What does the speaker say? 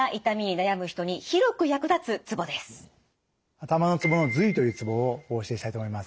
頭のツボの頭維というツボをお教えしたいと思います。